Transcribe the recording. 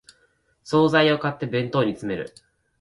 総菜を買って弁当に詰める